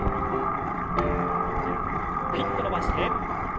ピッと伸ばして。